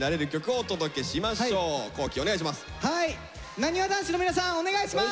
なにわ男子の皆さんお願いします！